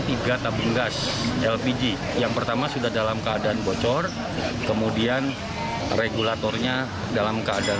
tiga tabung gas lpg yang pertama sudah dalam keadaan bocor kemudian regulatornya dalam keadaan